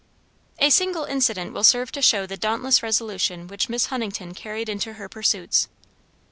A single incident will serve to show the dauntless resolution which Miss Huntington carried into her pursuits.